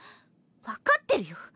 分かってるよ。